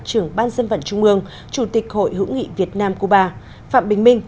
trưởng ban dân vận trung ương chủ tịch hội hữu nghị việt nam cuba phạm bình minh